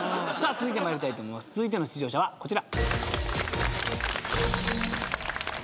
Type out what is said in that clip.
続いての出場者はこちら。